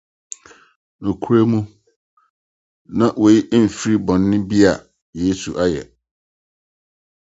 Nokwarem no, na eyi mfi bɔne bi a Yesu ayɛ.